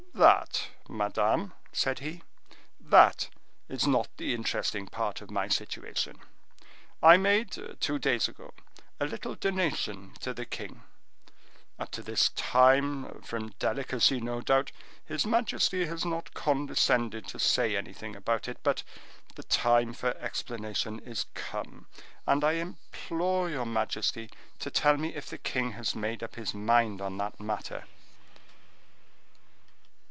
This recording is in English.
"That, madame," said he, "that is not the interesting part of my situation. I made, two days ago, a little donation to the king; up to this time, from delicacy, no doubt, his majesty has not condescended to say anything about it; but the time for explanation is come, and I implore your majesty to tell me if the king has made up his mind on that matter."